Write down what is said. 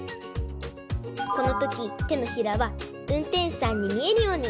このときてのひらはうんてんしゅさんにみえるように！